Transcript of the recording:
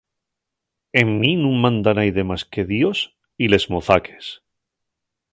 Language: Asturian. En mi nun manda naide más que Dios y les mozaques.